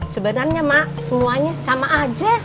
sebenarnya mak semuanya sama aja